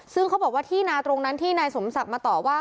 ซึ่งเขาบอกว่าที่นาตรงนั้นที่นายสมศักดิ์มาต่อว่า